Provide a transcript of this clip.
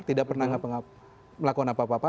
tidak pernah melakukan apa apa